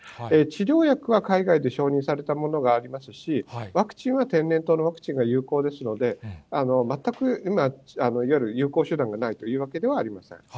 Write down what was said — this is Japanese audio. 治療薬は海外で承認されたものがありますし、ワクチンは天然痘のワクチンが有効ですので、全く今、いわゆる有効手段がないというわけではありません。